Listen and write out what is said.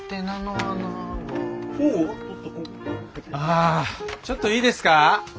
あちょっといいですか？